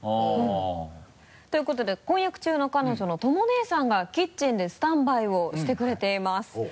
あっ。ということで婚約中の彼女のとも姉さんがキッチンでスタンバイをしてくれています。